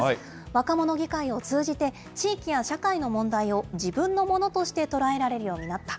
若者議会を通じて、地域や社会の問題を自分のものとして捉えられるようになった。